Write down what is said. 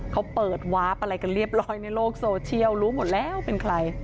เขาเปิดวาร์ฟอะไรกันเรียบร้อยในโลกโซเชียลรู้หมดแล้วเป็นใคร